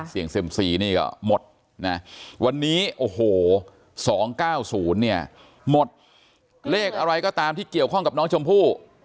เสี่ยงเซ็มซีนี่ก็หมดนะวันนี้โอ้โห๒๙๐เนี่ยหมดเลขอะไรก็ตามที่เกี่ยวข้องกับน้องชมพู่